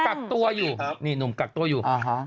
กักตัวอยู่นี่หนุ่มกักตัวอยู่